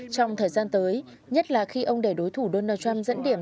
trong thời gian tới nhất là khi ông để đối thủ donald trump dẫn điểm